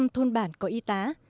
chín mươi sáu thuân bản có y tá